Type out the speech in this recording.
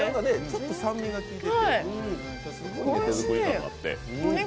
ちょっと酸味が利いててね。